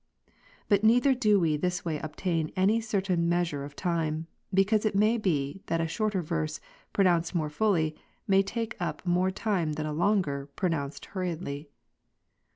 But neither do we this way obtain any certain measure of time ; because it may be, that a shorter verse, pronounced more fully, may take up more time than a longer, pronounced hurriedly.